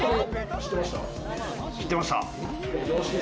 知ってました。